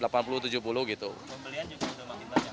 pembelian juga sudah makin banyak